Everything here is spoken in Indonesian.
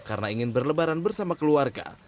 karena ingin berlebaran bersama keluarga